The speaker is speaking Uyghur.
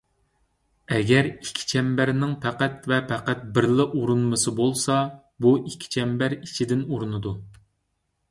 ئەگەر ئىككى چەمبەرنىڭ پەقەت ۋە پەقەت بىرلا ئۇرۇنمىسى بولسا، بۇ ئىككى چەمبەر ئىچىدىن ئۇرۇنىدۇ.